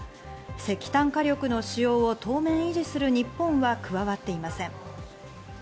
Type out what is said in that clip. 石炭火力の使用を当面維持する日本は加わっていません。